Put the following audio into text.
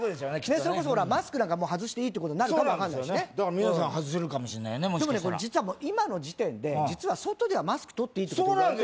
それこそマスクなんか外していいってことになるかも分かんないし皆さん外せるかもしんないねでもね実は今の時点で実は外ではマスク取っていいってそうなんです